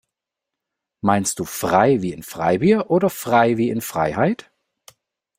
Meinst du frei wie in Freibier oder frei wie in Freiheit?